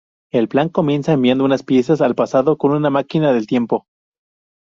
El plan comienza enviando unas piezas al pasado con una máquina del tiempo.